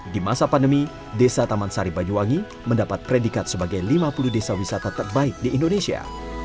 di masa pandemi desa taman sari banyuwangi mendapat predikat sebagai lima puluh desa wisata terbaik di indonesia